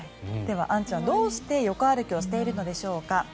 では杏ちゃんどうして横歩きをしているのでしょうか。